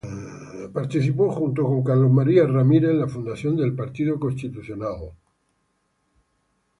Participó junto con Carlos María Ramírez en la fundación del Partido Constitucional.